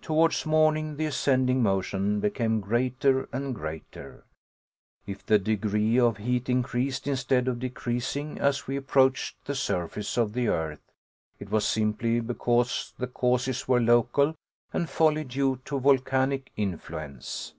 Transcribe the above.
Towards morning, the ascending motion became greater and greater. If the degree of heat increased instead of decreasing, as we approached the surface of the earth, it was simply because the causes were local and wholly due to volcanic influence.